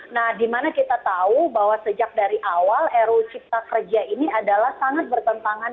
nah dimana kita tahu bahwa sejak dari awal ru ciptakerja ini adalah sangat bertentangan